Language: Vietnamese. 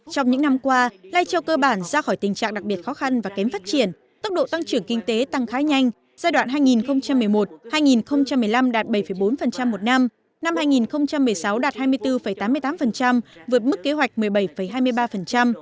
trong những năm qua lai châu cơ bản ra khỏi tình trạng đặc biệt khó khăn và kém phát triển tốc độ tăng trưởng kinh tế tăng khá nhanh giai đoạn hai nghìn một mươi một hai nghìn một mươi năm đạt bảy bốn một năm năm hai nghìn một mươi sáu đạt hai mươi bốn tám mươi tám vượt mức kế hoạch một mươi bảy hai mươi ba